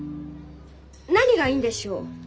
何がいいんでしょう？